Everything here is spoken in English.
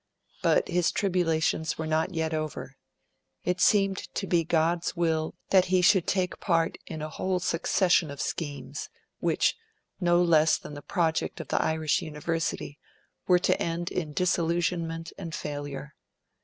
But, his tribulations were not yet over. It seemed to be God's will that he should take part in a whole succession of schemes, which, no less than the project of the Irish University, were to end in disillusionment and failure.